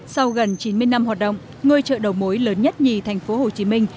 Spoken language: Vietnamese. sau gần chín mươi năm hoạt động ngôi chợ đầu mối lớn nhất nhì thành phố hồ chí minh